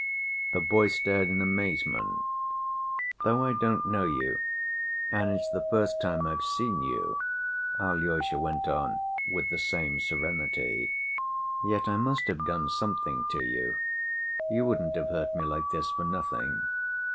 The boy stared in amazement. "Though I don't know you and it's the first time I've seen you," Alyosha went on with the same serenity, "yet I must have done something to you—you wouldn't have hurt me like this for nothing.